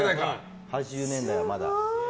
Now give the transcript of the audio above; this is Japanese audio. ８０年代は、まだ。